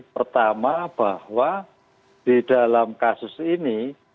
pertama bahwa di dalam kasus ini